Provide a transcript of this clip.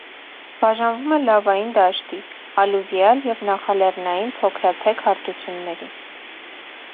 Բաժանվում է լավային դաշտի, ալյուվիալ և նախալեռնային փոքրաթեք հարթությունների։